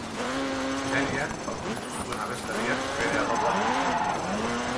Irailean aurkeztu zuen abeslariak bere arropa bilduma.